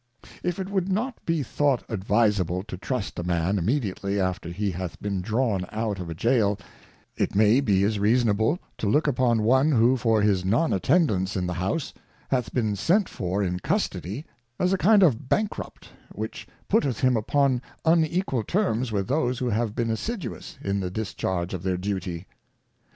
If Mevibers in Parliament. r45 If it would not be thought advisable to trust a Man immediately after he hath been drawn out of a Gaol, it may be as reasonable to look upon one who for his Non attendance in the House hath been sent for in Custody, as a kind of Bankrupt, which putteth him upon unequal terms with those who have been assiduous in the discharge of their Duty.